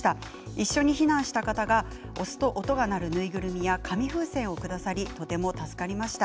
一緒に避難した方々が押すと音が鳴る縫いぐるみや紙風船をくださりとても助かりました。